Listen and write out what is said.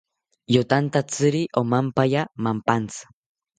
Yotantatziri omampaya mampantzi